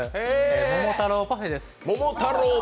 桃太郎パフェです。